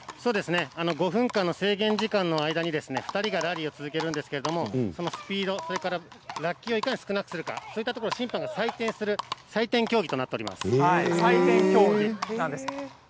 ５分間の制限時間の間に２人がラリーを続けるんですけれどもそのスピード、落球をいかに少なくするか審判が採点する採点競技となっています。